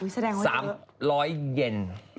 สามร้อยเยน